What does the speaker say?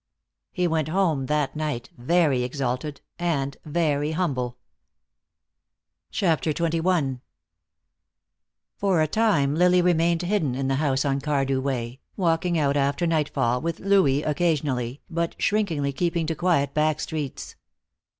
He went home that night very exalted and very humble. CHAPTER XXI For a time Lily remained hidden in the house on Cardew Way, walking out after nightfall with Louis occasionally, but shrinkingly keeping to quiet back streets.